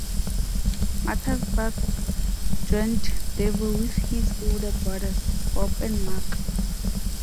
Mothersbaugh joined Devo with his older brothers, Bob and Mark.